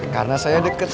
karena saya deket